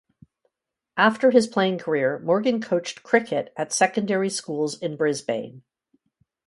After his playing career Morgan coached cricket at secondary schools in Brisbane.